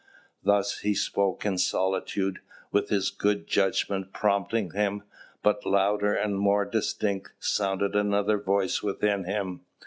Thus he spoke in solitude, with his good judgment prompting him; but louder and more distinct sounded another voice within him.